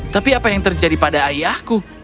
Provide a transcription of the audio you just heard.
tapi apa yang terjadi pada ayahku